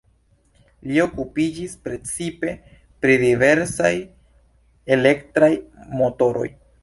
Li okupiĝis precipe pri diversaj elektraj motoroj.